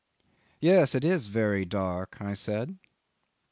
'"Yes, it is very dark," I said.